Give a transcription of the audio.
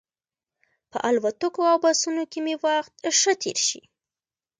په الوتکو او بسونو کې مې وخت ښه تېر شي.